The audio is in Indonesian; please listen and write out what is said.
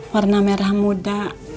warna merah muda